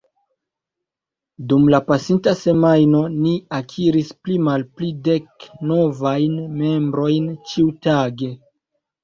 Dum la pasinta semajno ni akiris pli malpli dek novajn membrojn ĉiutage.